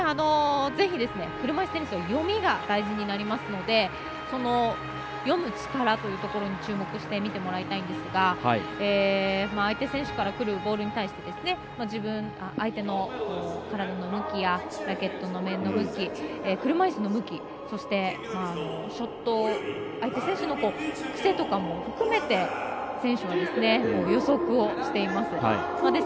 是非、車いすテニスは読みが大事になりますので読む力というところに注目して見てもらいたいんですが相手選手からくるボールに対して相手の体の向きやラケットの面の向き車いすの向き、相手選手の癖とかも含めて、選手は予測をしています。